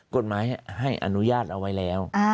กฎหมายให้อนุญาตเอาไว้แล้ว